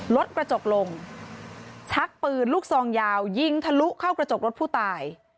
รถกระจกลงชักปืนลูกซองยาวยิงทะลุเข้ากระจกรถผู้ตาย